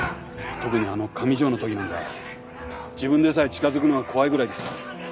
特にあの上条のときなんか自分でさえ近づくのが怖いぐらいでした。